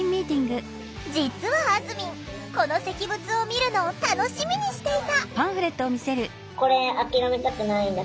実はあずみんこの石仏を見るのを楽しみにしていた！